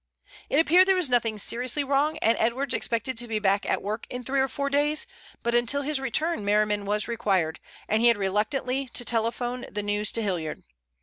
It appeared there was nothing seriously wrong, and Edwards expected to be back at work in three or four days, but until his return Merriman was required, and he had reluctantly to telephone the news to Hilliard.